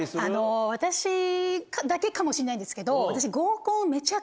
私だけかもしれないんですけど私。